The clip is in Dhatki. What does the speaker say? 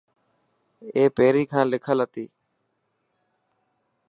اي پهرين کان لکيل هتي.